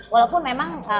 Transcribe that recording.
walaupun memang kalau misalnya